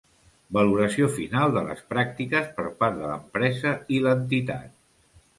Valoració final de les pràctiques per part de l'empresa i l'entitat.